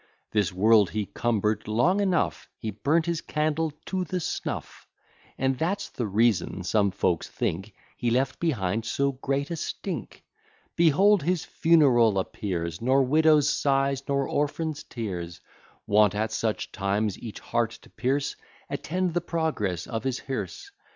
This world he cumber'd long enough; He burnt his candle to the snuff; And that's the reason, some folks think, He left behind so great a stink. Behold his funeral appears, Nor widows' sighs, nor orphans' tears, Wont at such times each heart to pierce, Attend the progress of his hearse.